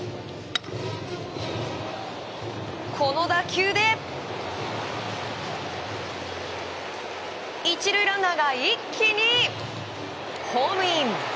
この打球で１塁ランナーが一気にホームイン！